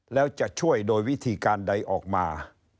แล้วจะช่วยโดยวิธีการใดออกมา